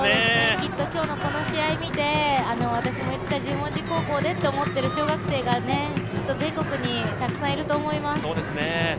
きっと今日のこの試合見て、私もいつか十文字高校でと思っている小学生がきっと全国にたくさんいると思います。